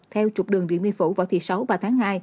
theo trục đường điện biên phủ vào thị sáu và tháng hai